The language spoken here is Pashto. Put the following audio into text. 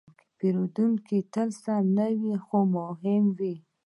پیرودونکی تل سم نه وي، خو تل مهم وي.